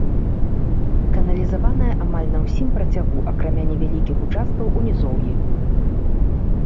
Каналізаваная амаль на ўсім працягу, акрамя невялікіх участкаў у нізоўі.